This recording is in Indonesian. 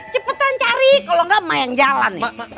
cepetan cari kalau enggak mah yang jalan nih